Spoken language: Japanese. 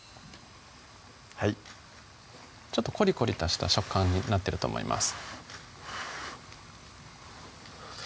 はいコリコリとした食感になってると思います